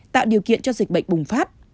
tạo điều kiện cho dịch bệnh bùng phát